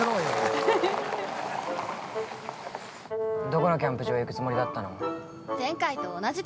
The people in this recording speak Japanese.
どこのキャンプ場に行くつもりだったの？